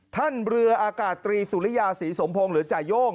ท่านเรืออากาศตรีสุริยาศรีสมพงศ์หรือจ่าย่ง